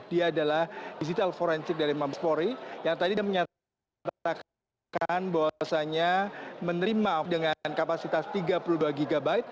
dia adalah digital forensik dari mabespori yang tadi dia menyatakan bahwasannya menerima dengan kapasitas tiga puluh dua gb